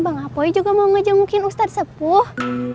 bang apoi juga mau ngejengukin ustadz sepuh